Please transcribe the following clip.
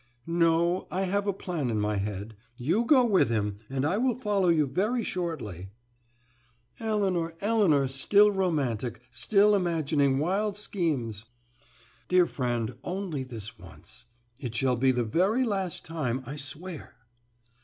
"No, I have a plan in my head. You go with him, and I will follow you very shortly." "Elinor, Elinor, still romantic, still imagining wild schemes!" "Dear friend only this once. It shall be the very last time, I swear!"